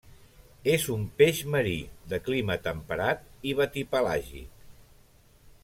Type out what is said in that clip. És un peix marí, de clima temperat i batipelàgic.